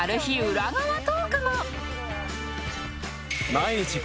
裏側トークも］